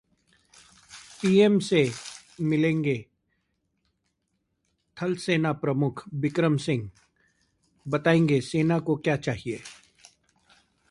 PM से मिलेंगे थलसेना प्रमुख बिक्रम सिंह, बताएंगे सेना को क्या चाहिए